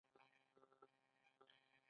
د رسامي او د خط بیلګې یې راوړې وې.